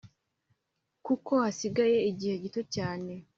kuko hasigaye igihe gito cyane,